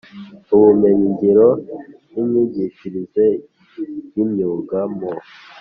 Ubumenyingiro n Imyigishirize y Imyuga mu